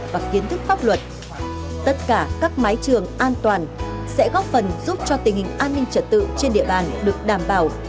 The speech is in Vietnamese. và kiến thức pháp luật tất cả các mái trường an toàn sẽ góp phần giúp cho tình hình an ninh trật tự trên địa bàn được đảm bảo